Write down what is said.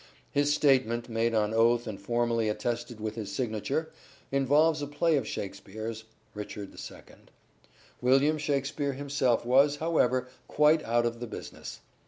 His statement, made on oath and formally attested with his signature, involves a play of " Shakespeare's " (Richard II). William Shakspere himself was, however, quite out of the business.